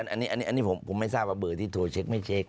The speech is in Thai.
อันนี้ผมไม่ทราบว่าเบอร์ที่โทรเช็คไม่เช็ค